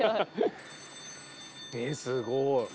えすごい。